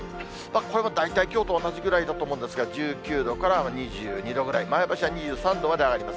これも大体きょうと同じぐらいだと思うんですけれども、１９度から２２度ぐらい、前橋は２３度まで上がります。